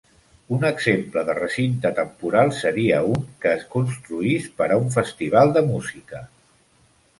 Un exemple de recinte temporal seria un que es construís per a un festival de música.